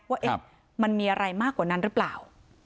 ว่ามันมีอะไรมากกว่านั้นหรือเปล่า